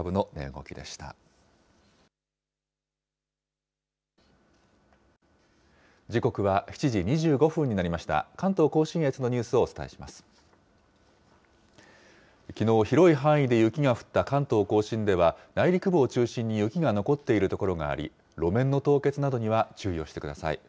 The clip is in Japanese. きのう広い範囲で雪が降った関東甲信では、内陸部を中心に雪が残っている所があり、路面の凍結などには注意をしてください。